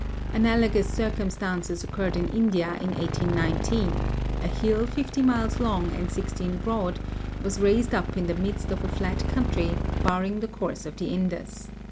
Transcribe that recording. Analogous circumstances occurred in India in 1819; a hill, fifty miles long and sixteen broad, was raised up in the midst of a flat country, barring the course of the Indus.